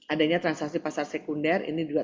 adanya transaksi pasar sekunder ini juga